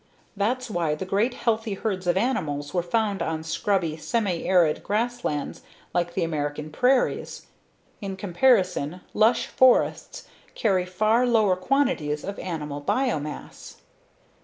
That's why the great healthy herds of animals were found on scrubby, semi arid grasslands like the American prairies; in comparison, lush forests carry far lower quantities of animal biomass.